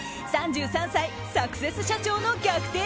３３歳サクセス社長の逆転